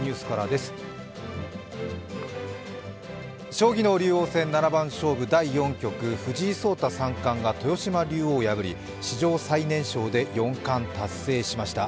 将棋の竜王戦七番勝負第４局、藤井聡太三冠が豊島竜王を破り、史上最年少で四冠達成しました。